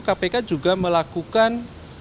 kpk juga melakukan